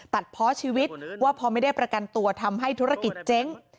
ตัดเพราะชีวิตว่าพอไม่ได้ประกันตัวทำให้ธุรกิจเจ๊ง